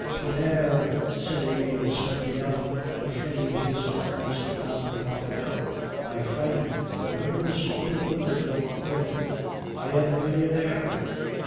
"Tonnerre!" said Emile, springing up and flinging his arms round Raphael; "my friend, remember the sort of women you are with." "I am a millionaire!"